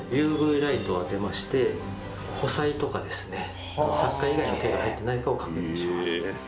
ＵＶライトを当てまして補彩とかですね作家以外の手が入ってないかを確認します」